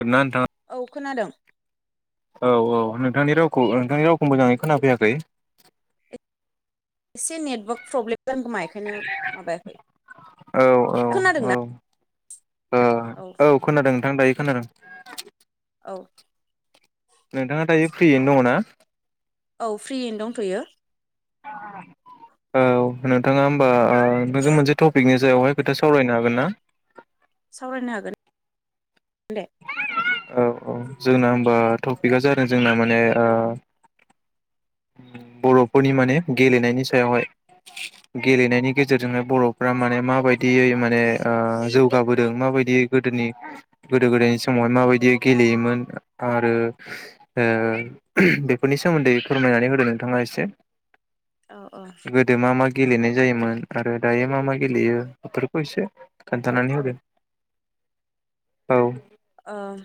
खोनादोंना नोंथाङा औ खोनादों औ औ नोंथांनि रावखौ नोंथांनि रावखौ मोजाङै खोनाफैयाखै एसे नेटवार्क प्रब्लेम दं खोमा बेखायनो माबायाखै औ खोनादों ना ओह औ खोनादों नोंथां दायो खोनादों औ नोंथाङा दायो फ्रियैनो दङ ना औ फ्रियैनो दंथ'यो औ नोंथाङा होमबा ओ जों मोनसे टपिकनि जेरायावहाय खोथा सावरायनो हागोन ना सावरायनो हागोन दे औ औ जोंना होमबा टपिकआ जादों जोंना माने ओ बर' फोरनि माने गेलेनायनि सायावहाय गेलेनायनि गेजेरजोंनो बर'फोरा माने माबायदियै माने जौ जौगाबोदों माबायदि गोदोनि गोदो गोदायनि समावहाय माबायदि गेलेयोमोन आरो ओ बेफोरनि सोमोन्दै फोरमायनानै होदो नोंथाङा एसे औ औ गोदो मा मा गेलेनाय जायोमोन आरो दायो मा मा गेलेयो बेफोरखौ एसे खोन्थानानै औ होदो औ ओह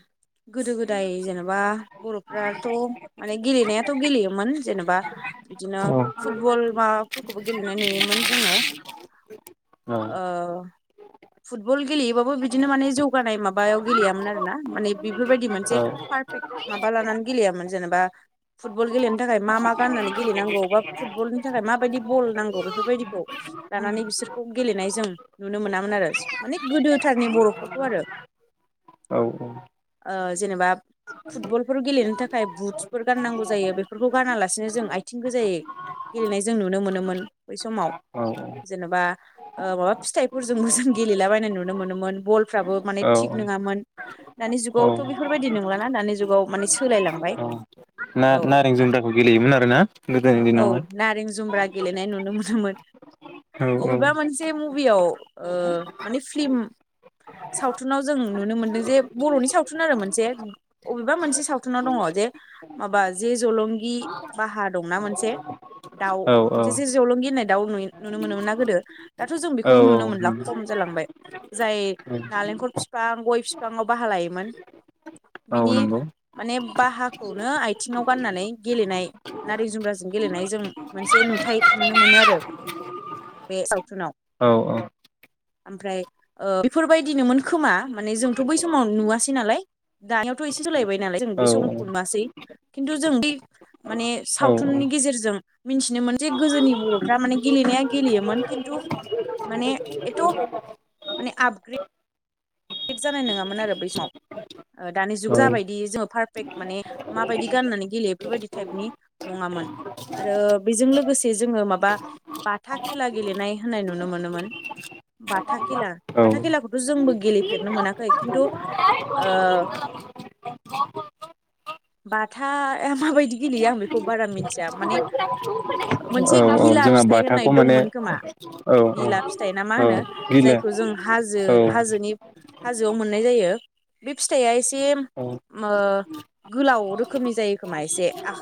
गोदो गोदाय जेनेबा बर'फ्राथ' माने गेलेनायाथ' गेलेयोमोन। जेनेबा बिदिनो औ फुटबल माबाफोरखौबो गेलेनाय नुयोमोन जोङो। औ ओ फुटबल गेलेयोबाबो बिदिनो माने जौगानाय माबायाव गेलेया मोन आरो ना माने बेफोरबायदि मोनसे पारफेक्ट माबा लानानै गेलेयामोन जेनेबा फुटबल गेलेनो थाखाय मा मा गाननानै गेलेनांगौ बा फुटबलनि थाखाय माबायदि बल नांगौ बेफोरबायदिखौ लानानै बिसोरखौ गेलेनाय जों नुनो मोनामोन आरो माने गोदोथारनि बर'फोरखौ आरो। औ औ। ओ जेनेबा फुटबलफोर गेलेनो थाखाय बुटसफोर गाननांगौ जायो बेफोरखौ गानालासिनो जों आथिं गोजायै गेलेनाय जों नुनो मोनोमोन बै समाव जेनेबा ओ माबा फिथाइफोरजोंबो जों गेलेलाबायनाय नुनो मोनोमोन बलफ्राबो माने औ थिग नङामोन। दानि औ जुगावथ' बेफोरबायदि नंलाना दानि जुगाव माने सोलायलांबाय। औ ना औ नारें जुमब्राखौ गेलेयोमोन आरो ना गोदोनि औ नारें जुमब्रा गेलेनाय दिनावहाय। औ औ। मबेबा मोनसे मुभियाव ओ माने फिलम सावथुनाव जों नुनो मोनदों जे बर'नि सावथुन आरो मोनसे। अबेबा मोनसे सावथुनाव दङ जे माबा जे जलंगि बाहा दंना मोनसे। दाउ औ जेजे जलंगि होननाय दाउ नुयो नुनो मोनोमोन ना गोदो दाथ' जों औ बेखौबो नुनो औ मोनला नंगौ खम जालांबाय। जाय नालेंखर फिफां गय फिफांङाव बाहा लायोमोन औ बिनि नंगौ माने बाहाखौनो आथिङाव गाननानै गेलेनाय नारें जुमब्राजों गेलेनाय जों मोनसे नुथाय नुनो मोनो आरो। बे सावथुनाव औ ओमफ्राय ओ बेफोरबायदिनोमोन खोमा माने जोंथ' बै समाव नुवासै नालाय। दानियाथ' एसे सोलायबाय नालाय जों बे औ समखौ नुवासै खिन्थु जों बै माने औ सावथुननि गेजेरजों मिथिनोमोन जे गोदोनि बर'फ्रा माने गेलेनाया गेलेयोमोन खिन्थु माने एथ' [unintelligible] माने आपग्रेड जानाय नङामोन आरो बै समाव। दानि जुगाव औ जाबायदि जोङो पारफेक्ट माने माबायदि गाननानै गेलेयो बेफोरबायदि टाइपनि नङामोन। आरो बेजों लोगोसे जोङो माबा बाथा खेला गेलेनाय होननाय नुनो मोनोमोन। बाथा खेला औ बाथा औ खेलाखौथ' जोंबो गेले फेरनो मोनाखै खिन्थु ओ बाथाया माबाय दि गेलेयो आं बेखौ बारा मिथिया माने औ मोनसे औ गिला जोंहा फिथाइ होननाय बाथाखौ माने दंमोन खोमा। औ औ गिला फिथाइ ना मा औ होनो बिलो जायखौ जों हाजो औ हाजोनि हाजोआव मोननाय जायो बे फिथाइया एसे औ। ओ गोलाव रोखोमनि जायो खोमा एसे आख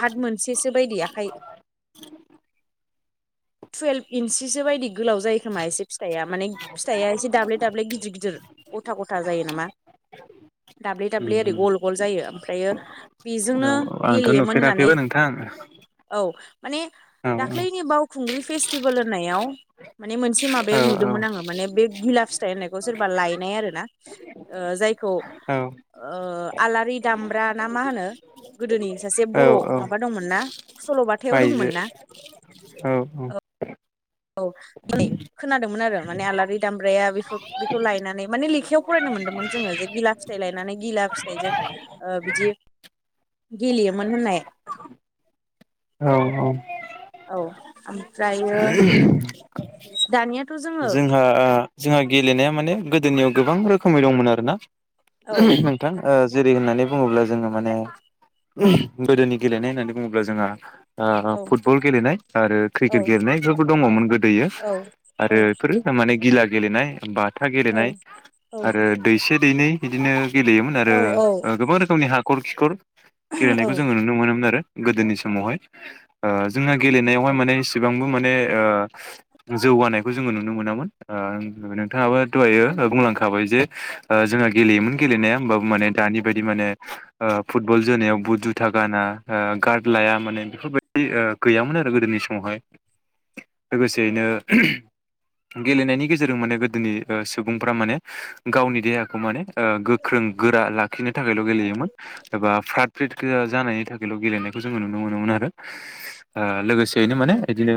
हाथ मोनसेसो बायदि आखाइ [inaudible] टुवेल्भ इन्सिसो बायदि गोलाव जायो खोमा एसे फिथाइआ माने फिथाइआ एसे दाब्ले दाब्ले गि दिर गथा गथा जायो नामा दाब्ले दाब्ले ओरै गल गल जायो ओमफ्रायो बेजोंनो औ आंथ' गेलेयोमोन होननानै नुफेराखैबो नोंथां औ माने औ दाख्लैनि बावखुंग्रि फेस्टिभेल होननायाव माने मोनसे औ माबायाव नुदोंमोन आङो माने बे गिला फिथाइ होननाय खौ सोरबा लायनाय आरो ना ओ जायखौ औ ओ आलारि दामब्रा ना मा होनो गोदोनि सासे औ बर' औ माबा दंमोनना सल'बाथायाव आइजो दंमोनना? औ औ। औ [unintelligible] खोनादोंमोन आरो माने आलारि दामब्राया बेफोर बेखौ लायनानै माने लेखायाव फरायनो मोन्दोंमोन जोङो जे गिला फिथाइ लायनानै गिला फिथाइजों ओ बिदि गेलेयोमोन होननाय। औ औ। औ ओमफ्रायो दानिया जोंहा ओ जोंहा गेलेनाया माने गोदोनियाव गोबां रोखोमै दंमोन आरोना औ नोंथां ओ जेरै होननानै बुङोब्ला जोङो माने गोदोनि गेलेनाय होननानै बुङोब्ला जोंहा ओ औ फुटबल गेलेनाय आरो औ क्रिकेट बेफोरबो दङमोन गोदोयो। औ औ आरो बेफोरो माने गिला गेलेनाय, बाथा औ गेलेनाय औ आरो दैसे दैनै बिदिनो गेलेयोमोन आरो औ ओ गोबां रोखोमनि हाखर खिखर औ गेलेनायखौ जोङो नुनो मोनोमोन आरो गोदोनि समावहाय। ओ जोंना गेलेनायावहाय माने एसेबांबो माने ओ जौगानाय खौ जोङो नुनो मोनामोन नोंथाङाबो दहायो बुंलांखाबाय जे ओ जोंहा गेलेयोमोन गेलेनाया होमबाबो माने दानि बायदि माने ओ फुटबल जोनायाव बुट जुथा गाना, ओ गार्ड लाया माने बेफोरबायदि ओ गैयामोन आरो गोदोनि समावहाय, लोगोसेयैनो गेलेनायनि गेजेरजों माने गोदोनि ओ सुबुंफ्रा माने गावनि देहाखौ माने ओ गो ख्रों गोरा लाखिनो थाखायल' गेलेयोमोन एबा फ्रात फ्रिट जानायनि थाखायल' गेलेनायखौ जोङो नुनो मोनोमोन आरो। ओ लोगोसेयैनो माने औ औ इदिनो